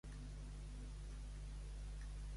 Fems de fàbrica per a l'horta Duran.